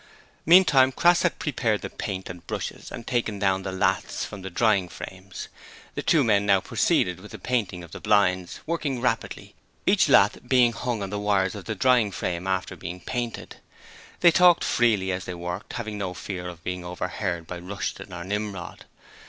Meantime, Crass had prepared the paint and brushes and taken down the lathes from the drying frames. The two men now proceeded with the painting of the blinds, working rapidly, each lathe being hung on the wires of the drying frame after being painted. They talked freely as they worked, having no fear of being overheard by Rushton or Nimrod.